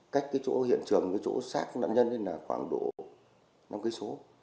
cách cái chỗ hiện trường cái chỗ xác nạn nhân là khoảng độ năm km